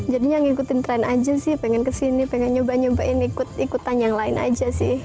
jadinya ngikutin tren aja sih pengen kesini pengen nyoba nyobain ikut ikutan yang lain aja sih